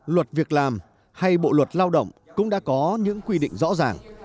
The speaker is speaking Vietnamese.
luật việc làm hay bộ luật lao động cũng đã có những quy định rõ ràng